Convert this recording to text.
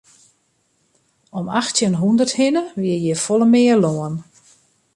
Om achttjin hûndert hinne wie hjir folle mear lân.